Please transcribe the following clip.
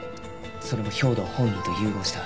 それも兵働本人と融合した。